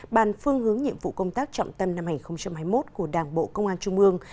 bàn phương hướng nhiệm vụ công tác trọng tâm năm hai nghìn hai mươi một của đảng bộ công an trung ương